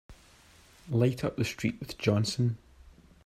Light up with the street with Johnson!